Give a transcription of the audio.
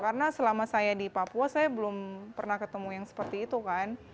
karena selama saya di papua saya belum pernah ketemu yang seperti itu kan